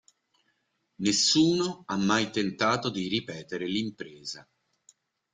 Nessuno ha mai tentato di ripetere l'impresa.